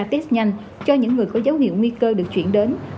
test nhanh cho những người có dấu hiệu nguy cơ được chuyển đến